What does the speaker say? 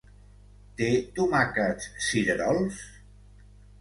Té tomàquets cirerols?